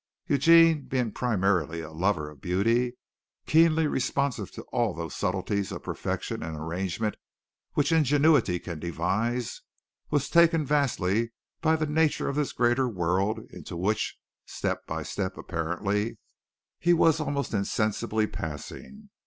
Eugene, being primarily a lover of beauty, keenly responsive to all those subtleties of perfection and arrangement which ingenuity can devise, was taken vastly by the nature of this greater world into which, step by step apparently, he was almost insensibly passing.